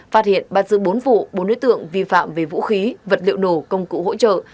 phát hiện bắt giữ bốn vụ bốn đối tượng vi phạm về vũ khí vật liệu nổ công cụ hỗ trợ